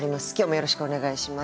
よろしくお願いします。